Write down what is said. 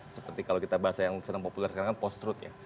seperti kalau kita bahasa yang sedang populer sekarang kan post truth ya